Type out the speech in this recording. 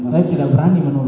saya tidak berani menolak